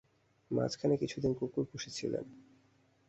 মাঝখানে কিছুদিন কুকুর পুষেছিলেন।